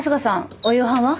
お夕飯は？